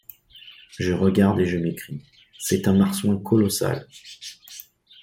Je regarde et je m’écrie :« C’est un marsouin colossal !